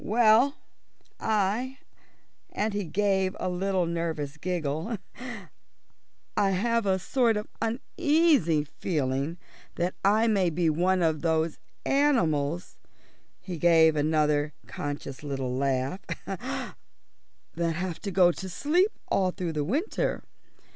"Well, I" and he gave a little nervous giggle "I have a sort of uneasy feeling that I may be one of those animals" he gave another conscious little laugh "that have to go to sleep all through the winter.